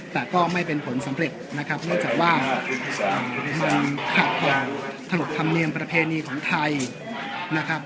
แต่ก็ไม่เป็นผลสำเร็จนะครับเนื่องจากว่ามันขาดความถลบธรรมเนียมประเพณีของไทยนะครับ